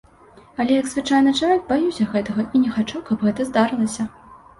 Але як звычайны чалавек баюся гэтага і не хачу, каб гэта здарылася.